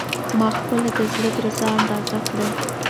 ما خپله د زړه درزا اندازه کړه.